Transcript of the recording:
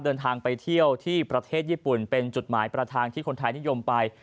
เดินทางไปเที่ยวที่ประเทศญี่ปุ่นเป็นจุดหมายประธานที่คนไทยนิยมไป